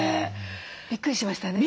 びっくりしましたね。